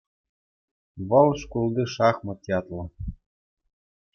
Вӑл «Шкулти шахмат» ятлӑ.